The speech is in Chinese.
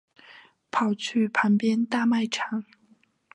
跑去旁边大卖场